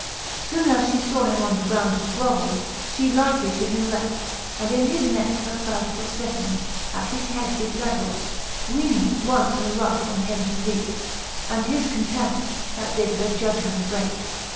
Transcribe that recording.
Sopne as fhe faw him on the ground to grovell, She lightly to him leapt, and in his necke Her proud foote letting, at his head did levell, Weening at once her wrath on him to wreake, And his contempt, that did her judgment breake.